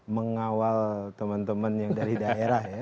mengawal teman teman yang dari daerah ya